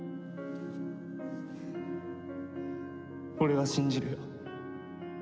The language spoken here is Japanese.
俺は信じるよ。